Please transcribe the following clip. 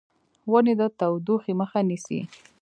ونې د تودوخې مخه نیسي.